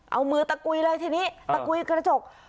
เอามือตะกุยเลยทีนี้ตะกุยกระจก